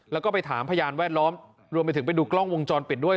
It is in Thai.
แล้วก็ไปถามพยานแวดล้อมรวมไปถึงไปดูกล้องวงจรปิดด้วย